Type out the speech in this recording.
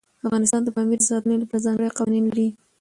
افغانستان د پامیر د ساتنې لپاره ځانګړي قوانین لري.